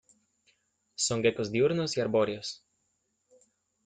Son geckos diurnos y arbóreos.